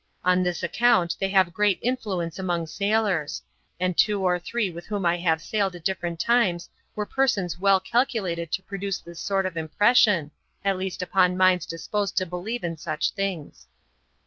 On this account they have great influence among sailors, and two or three with whom I have sailed at different times were persons well calculated to produce this sort of impression, at least upon minds disposed to believe in such things.